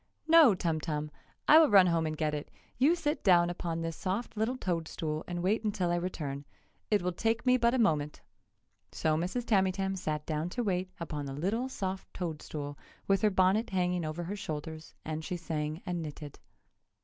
"No, Tum Tum! I will run home and get it! You sit down upon this soft little toad stool and wait until I return. It will take me but a moment!" So Mrs. Tamytam sat down to wait upon the little soft toad stool, with her bonnet hanging over her shoulders, and she sang and knitted.